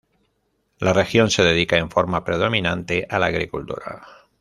La región se dedica en forma predominante a la agricultura.